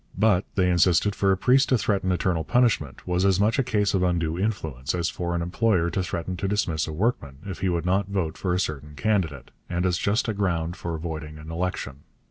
But, they insisted, for a priest to threaten eternal punishment was as much a case of undue influence as for an employer to threaten to dismiss a workman if he would not vote for a certain candidate, and as just a ground for voiding an election.